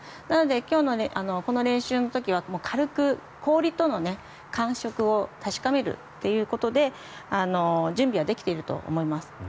なので今日のこの練習の時は軽く氷との感触を確かめるということで準備はできていると思います。